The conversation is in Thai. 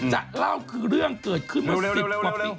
จะเล่าคือเรื่องเกิดขึ้นเมื่อ๑๐กว่าปี